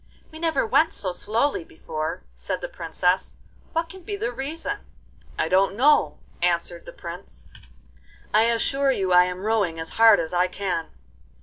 'We never went so slowly before,' said the Princess; 'what can be the reason?' 'I don't know,' answered the Prince. 'I assure you I am rowing as hard as I can.